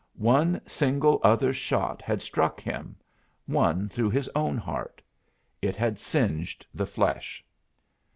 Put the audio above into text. One single other shot had struck him one through his own heart. It had singed the flesh.